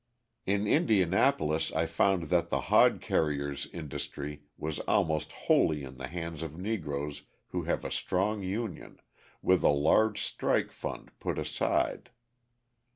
In Indianapolis I found that the hod carriers' industry was almost wholly in the hands of Negroes who have a strong union, with a large strike fund put aside.